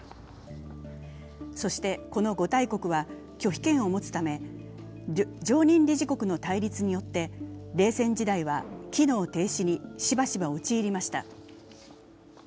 そして、この５大国は拒否権を持つため常任理事国の対立によって冷戦時代は機能停止にしばしば陥りました。